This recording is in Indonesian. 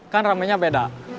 kan rame nya beda